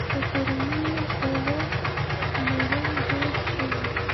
د کورنیو خوړو پلورل دود شوي؟